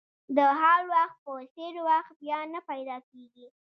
د حال وخت په څېر وخت بیا نه پیدا کېږي.